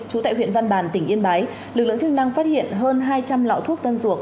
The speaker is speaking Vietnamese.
trú tại huyện văn bàn tỉnh yên bái lực lượng chức năng phát hiện hơn hai trăm linh lọ thuốc tân ruột